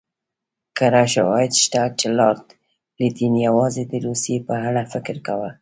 کره شواهد شته چې لارډ لیټن یوازې د روسیې په اړه فکر کاوه.